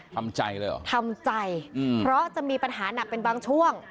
ทำใจเลยเหรอทำใจเพราะจะมีปัญหาหนักเป็นบางช่วง